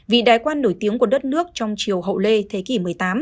vị đại quan nổi tiếng của đất nước trong chiều hậu lê thế kỷ một mươi tám